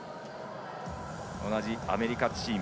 同じアメリカチーム。